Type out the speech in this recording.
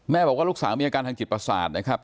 บอกว่าลูกสาวมีอาการทางจิตประสาทนะครับ